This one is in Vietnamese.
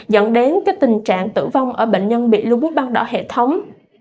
dẫn đến tình trạng tử vong ở bệnh nhân bị lưu bút đọc đỏ hệ thống